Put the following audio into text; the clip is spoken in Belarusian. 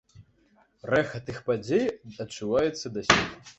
Рэха тых падзей адчуваецца дасюль.